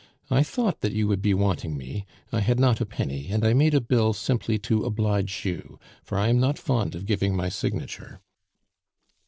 I thought that you would be wanting me; I had not a penny, and I made a bill simply to oblige you, for I am not fond of giving my signature."